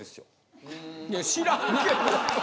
いや知らんけど。